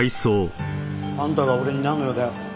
あんたが俺になんの用だよ？